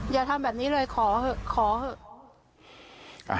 อย่าทำแบบนี้เลยขอเถอะขอเถอะ